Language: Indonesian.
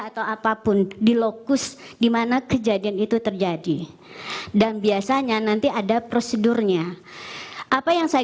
atau apapun di lokus dimana kejadian itu terjadi dan biasanya nanti ada prosedurnya apa yang saya